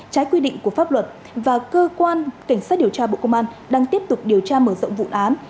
trái quy định của pháp luật và cơ quan cảnh sát điều tra bộ công an đang tiếp tục điều tra mở rộng vụ án